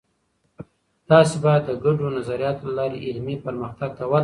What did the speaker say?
تاسې باید د ګډو نظریاتو له لارې علمي پرمختګ ته وده ورکړئ.